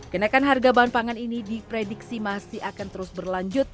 kenaikan harga bahan pangan ini diprediksi masih akan terus berlanjut